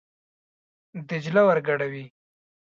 دجله ور ګډوي.